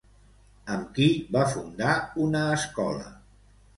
Amb qui va fundar una escola?